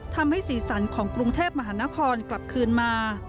สีสันของกรุงเทพมหานครกลับคืนมา